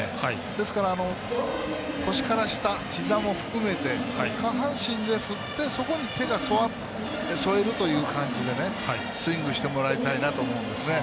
ですから、腰から下ひざも含めて、下半身で振ってそこに手を添えるという感じでスイングしてもらいたいなと思うんですね。